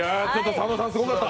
佐野さん、すごかった。